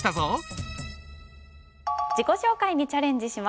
自己紹介にチャレンジします。